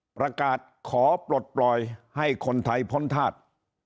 ประกาศขอปลดปล่อยให้คนไทยพ้นธาตุ